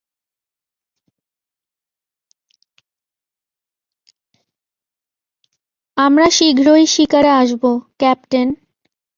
আমরা শীঘ্রই ব্লাস্টারের শিকারে আসবো, ক্যাপ্টেন।